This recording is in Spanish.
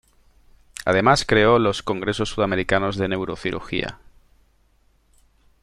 Además creó los congresos sudamericanos de neurocirugía.